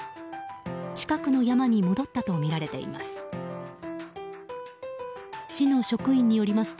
近くの山に戻ったとみられています。